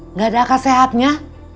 nggak ada ak merlita sehatnya